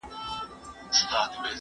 زه اوږده وخت د زده کړو تمرين کوم؟!